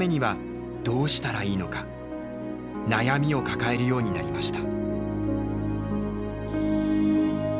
悩みを抱えるようになりました。